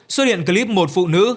xuất hiện clip một phụ nữ